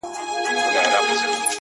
اوس يــې آهـونـــه په واوښتـل،